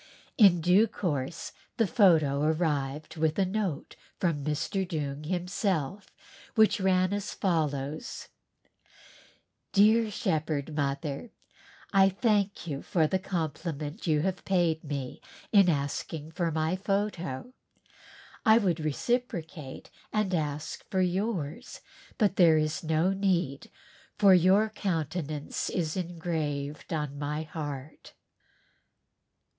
In due course the photo arrived with a note from Mr. Doong himself, which ran as follows: "Dear Shepherd Mother, I thank you for the compliment you have paid me in asking for my photo. I would reciprocate and ask for yours but there is no need _for your countenance is engraved on my heart!